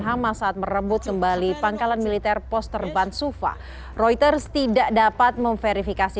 hamas saat merebut kembali pangkalan militer poster bansufa reuters tidak dapat memverifikasi